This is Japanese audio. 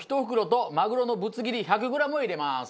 でマグロのぶつ切り１００グラムを入れます。